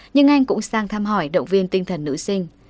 nhưng anh cũng sang thăm hỏi động viên tinh thần nữ sinh